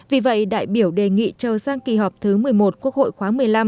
vì vậy đại biểu đề nghị chờ sang kỳ họp thứ một mươi một quốc hội khóa một mươi năm